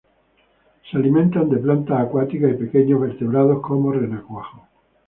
Se alimentan de plantas acuáticas y pequeños vertebrados como renacuajos.